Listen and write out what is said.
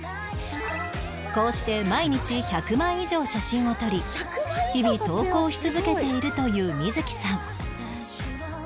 こうして毎日１００枚以上写真を撮り日々投稿し続けているというみづきさん